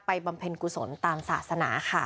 บำเพ็ญกุศลตามศาสนาค่ะ